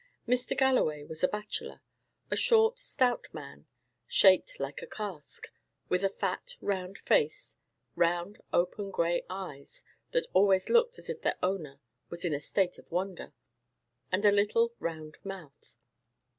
Mr. Galloway was a bachelor; a short, stout man, shaped like a cask, with a fat, round face, round, open, grey eyes that always looked as if their owner was in a state of wonder and a little round mouth.